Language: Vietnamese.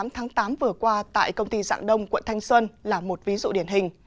tám tháng tám vừa qua tại công ty dạng đông quận thanh xuân là một ví dụ điển hình